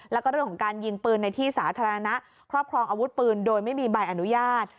แล้วก็เรื่องของการยิงปืนในที่สาธารณะครอบครองอาวุธปืนโดยไม่มีใบอนุญาต